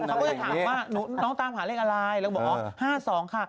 เขาก็จะถามว่าน้องตามหาเลขอะไรแล้วก็บอกอ๋อ๕๒ค่ะ